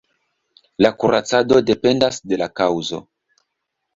La kuracado dependas de la kaŭzo.